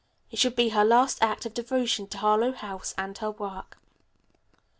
It should be her last act of devotion to Harlowe House and her work.